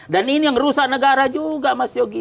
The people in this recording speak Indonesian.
dan ini yang merusak negara juga mas jogi